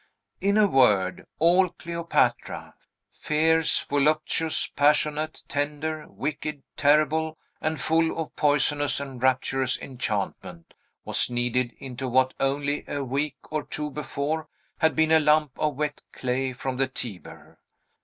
In a word, all Cleopatra fierce, voluptuous, passionate, tender, wicked, terrible, and full of poisonous and rapturous enchantment was kneaded into what, only a week or two before, had been a lump of wet clay from the Tiber.